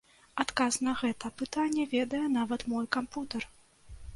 Адказ на гэта пытанне ведае нават мой кампутар.